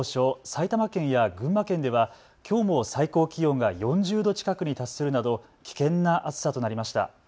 埼玉県や群馬県ではきょうも最高気温が４０度近くに達するなど危険な暑さとなりました。